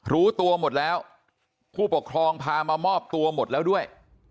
รู้ตัวหมดแล้วผู้ปกครองพามามอบตัวหมดแล้วด้วย